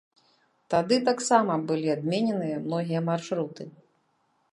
Тады таксама былі адмененыя многія маршруты.